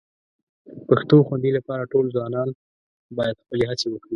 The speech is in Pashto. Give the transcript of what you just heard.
پښتو خوندي لپاره ټول ځوانان باید خپلې هڅې وکړي